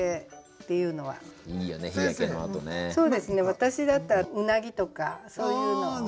私だったら「うなぎ」とかそういうの。